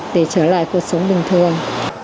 để trở lại cuộc sống bình thường